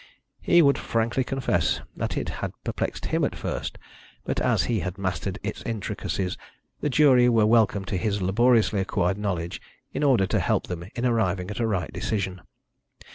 He would frankly confess that it had perplexed him at first, but as he had mastered its intricacies the jury were welcome to his laboriously acquired knowledge in order to help them in arriving at a right decision.